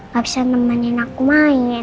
gak bisa nemenin aku main